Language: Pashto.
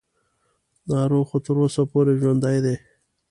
ناروغ خو تر اوسه پورې ژوندی دی.